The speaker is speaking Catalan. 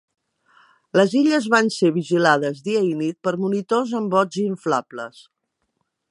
Les illes van ser vigilades dia i nit per monitors en bots inflables.